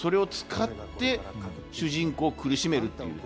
それを使って主人公を苦しめる。